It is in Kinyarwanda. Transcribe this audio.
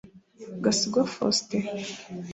Gasigwa Festus